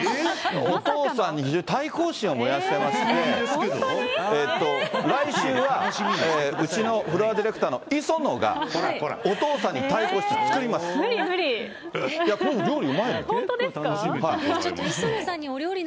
お父さんに非常に対抗心を燃やしてまして、来週はうちのフロアディレクターの磯野が、お父さんに対抗して作無理無理。